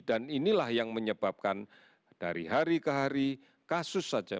dan inilah yang menyebabkan dari hari ke hari kasus saja